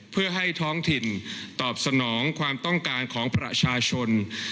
เพื่อให้ท้องถิ่นตอบสนองความต้องการของประชาชน